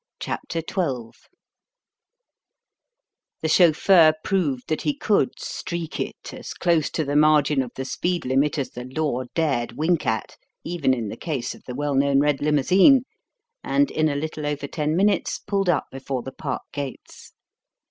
CHAPTER XII The chauffeur proved that he could "streak it" as close to the margin of the speed limit as the law dared wink at, even in the case of the well known red limousine, and in a little over ten minutes pulled up before the park gates.